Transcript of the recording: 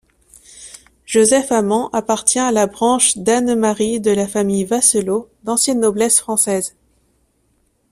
Joseph Amand appartient à la branche d'Annemarie de la famille Vasselot, d'ancienne noblesse française.